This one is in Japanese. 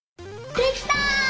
できた！